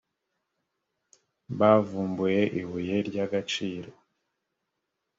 bavumbuye ibuye ry agaciro